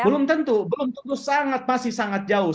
belum tentu belum tentu sangat masih sangat jauh